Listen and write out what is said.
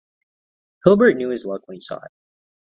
Hilbert knew his luck when he saw it.